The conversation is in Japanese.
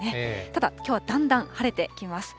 ただ、きょうはだんだん晴れてきます。